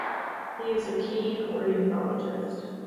He is a keen ornithologist.